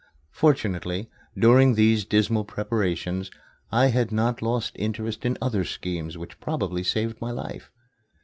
Fortunately, during these dismal preparations, I had not lost interest in other schemes which probably saved my life.